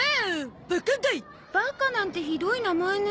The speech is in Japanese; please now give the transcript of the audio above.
バカなんてひどい名前ね。